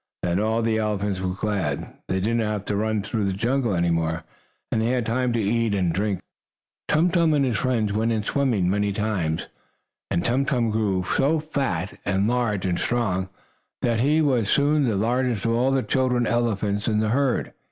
Then all the elephants were glad. They did not have to run through the jungle any more, and they had time to eat and drink. Tum Tum and his friends went in swimming many times, and Tum Tum grew so fat and large and strong, that he was soon the largest of all the children elephants in the herd.